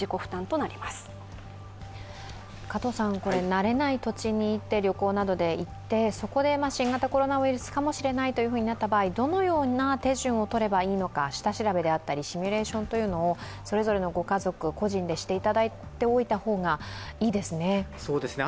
慣れない土地に旅行などで行ってそこで新型コロナウイルスかもしれないとなった場合、どのような手順を取ればいいのか下調べであったりシミュレーションをそれぞれのご家族、個人でしておいていただいたほうがいいですね。